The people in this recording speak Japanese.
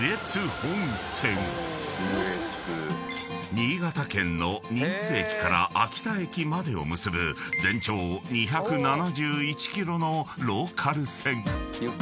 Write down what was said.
［新潟県の新津駅から秋田駅までを結ぶ全長２７１ｋｍのローカル線］